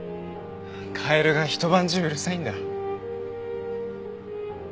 カエルがひと晩中うるさいんだ。